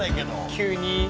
急に。